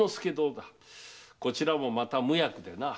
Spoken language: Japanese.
こちらもまた無役でな。